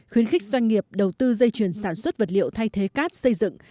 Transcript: khuyến khích doanh nghiệp đầu tư dây chuyền sản xuất vật liệu thay thế cát xây dựng